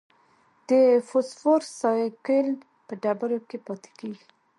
د فوسفورس سائیکل په ډبرو کې پاتې کېږي.